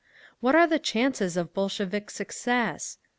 "What are the chances of Bolshevik success?